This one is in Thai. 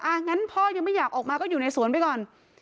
งั้นพ่อยังไม่อยากออกมาก็อยู่ในสวนไปก่อน